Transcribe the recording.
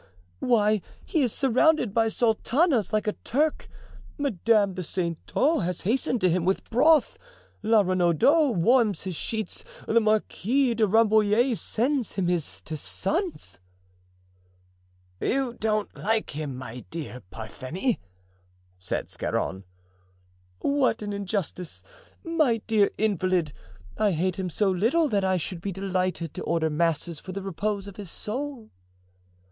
Why, he is surrounded by sultanas, like a Turk. Madame de Saintot has hastened to him with broth; La Renaudot warms his sheets; the Marquise de Rambouillet sends him his tisanes." "You don't like him, my dear Parthenie," said Scarron. "What an injustice, my dear invalid! I hate him so little that I should be delighted to order masses for the repose of his soul."